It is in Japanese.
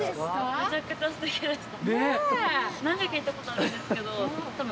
めちゃくちゃ素敵でした。